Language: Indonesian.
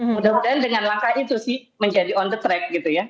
mudah mudahan dengan langkah itu sih menjadi on the track gitu ya